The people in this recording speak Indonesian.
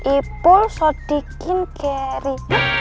ipul sodikin geri